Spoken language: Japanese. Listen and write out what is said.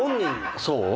そう？